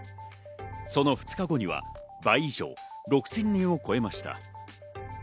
その２日後には倍以上、６０００人を超えました。